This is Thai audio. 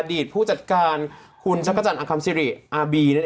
อดีตผู้จัดการคุณชักกะจันอคัมศ์ซีริธรรมนะอ่ะ